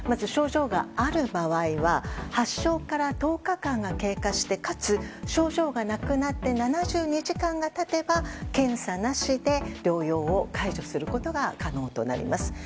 症状がある場合は発症から１０日間が経過してかつ、症状がなくなって７２時間が経てば検査なしで療養を解除することが可能となります。